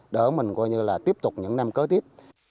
đỡ mình coi như là tiếp tục những năm cơ tiếp